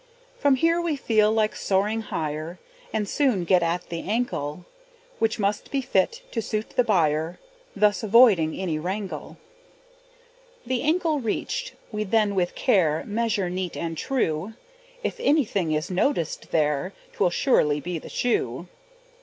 From here we feel like soaring higher, And soon get at the ankle, Which must be fit to suit the buyer, Thus avoiding any wrangle. The ankle reached, we then with care Measure neat and true; If anything is noticed there, 'Twill surely be the shoe.